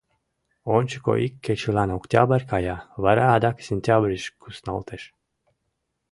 Ончыко ик кечылан октябрь кая, вара адак сентябрьыш кусналтеш.